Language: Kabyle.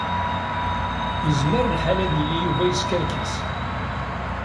Yezmer lḥal ad yili Yuba yeskerkis.